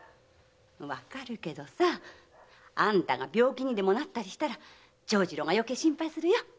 わかるけどさあんたが病気にでもなったりしたら長次郎がよけい心配するよ。